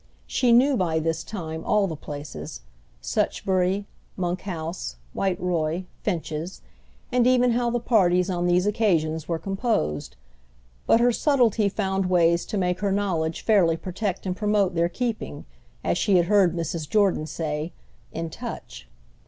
She knew by this time all the places—Suchbury, Monkhouse, Whiteroy, Finches—and even how the parties on these occasions were composed; but her subtlety found ways to make her knowledge fairly protect and promote their keeping, as she had heard Mrs. Jordan say, in touch.